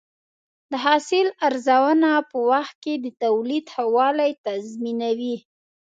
د حاصل ارزونه په وخت کې د تولید ښه والی تضمینوي.